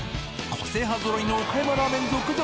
個性派ぞろいの岡山ラーメン続々！